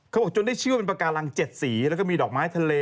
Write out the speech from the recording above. บอกจนได้ชื่อว่าเป็นปากการัง๗สีแล้วก็มีดอกไม้ทะเล